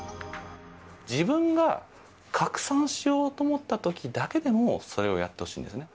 自分が拡散しようと思ったときだけでも、それをやってほしいんですね。